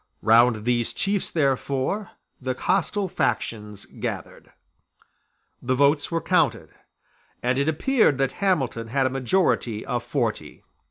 Round these chiefs therefore the hostile factions gathered. The votes were counted; and it appeared that Hamilton had a majority of forty.